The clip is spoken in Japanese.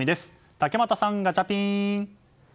竹俣さん、ガチャピン！